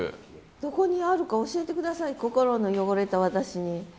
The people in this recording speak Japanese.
どこにあるか教えて下さい心の汚れた私に。